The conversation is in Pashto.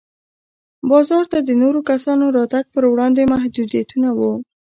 بازار ته د نورو کسانو راتګ پر وړاندې محدودیتونه وو.